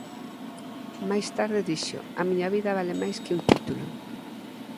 Máis tarde dixo "a miña vida vale máis que un título".